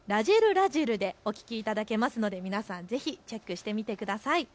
らじるでお聴きいただけますので皆さんぜひチェックしてみてください。